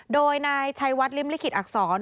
โดยนายชัยวัดริมลิขิตอักษร